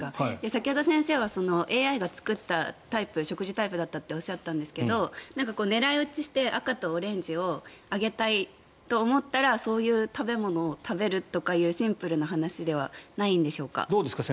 先ほど先生はＡＩが作った食事タイプだったとおっしゃったんですけど狙い撃ちして赤とオレンジを上げたいと思ったらそういう食べ物を食べるとかいうシンプルな話ではないんでしょうか？